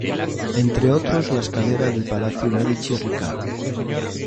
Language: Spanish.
Entre otros la escalera del Palacio Medici Riccardi.